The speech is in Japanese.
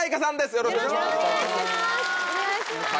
よろしくお願いします。